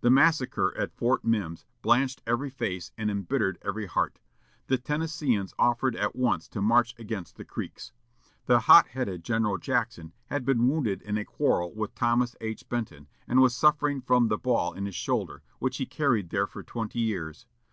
The massacre at Fort Mims blanched every face and embittered every heart. The Tennesseans offered at once to march against the Creeks. The hot headed General Jackson had been wounded in a quarrel with Thomas H. Benton, and was suffering from the ball in his shoulder, which he carried there for twenty years.